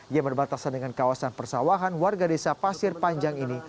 yang berbatasan dengan kawasan persawahan warga desa pasir panjang ini